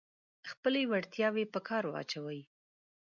خپلې وړتیاوې په کار واچوئ.